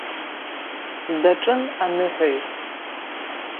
Даҿын аныҳәаҩ.